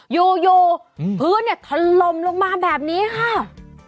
อยู่พื้นทันลมลงมาแบบนี้ค่ะ